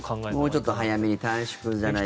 もうちょっと早めに短縮じゃないけども。